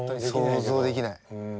想像できない。